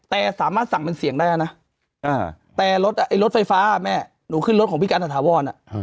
แต่สามารถสั่งเป็นเสียงได้แล้วนะแต่รถไฟฟ้าแม่หนูขึ้นรถของพี่การถาวร